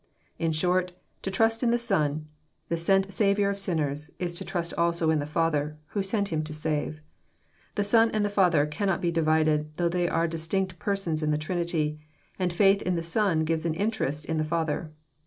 In short, to trust in the Son, the sent Saviour of sinners, is to trust also in the Father, who sent Him to save. The Son and the Father cannot be divided, though they are distinct Persons in the Trinity; and faith in the Son gives an interest in the Father.